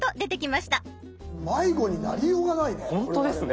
迷子になりようがないね。